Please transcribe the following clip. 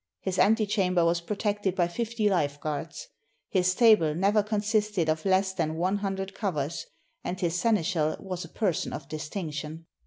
His antechamber was protected by fifty life guards. His table never con sisted of less than one hundred covers, and his seneschal was a person of distinction.